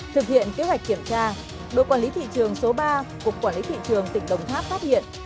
thực hiện kế hoạch kiểm tra đội quản lý thị trường số ba cục quản lý thị trường tỉnh đồng tháp phát hiện